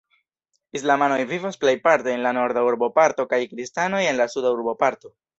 Islamanoj vivas plejparte en la norda urboparto kaj kristanoj en la suda urboparto.